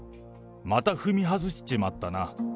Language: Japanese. また踏み外しちまったな。